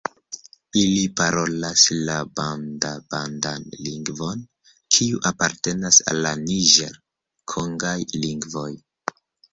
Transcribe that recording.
Ili parolas la banda-bandan lingvon, kiu apartenas al la niĝer-kongaj lingvoj.